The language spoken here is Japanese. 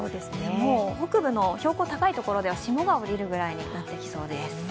北部の標高が高いところでは霜がおりるぐらいになってきそうです。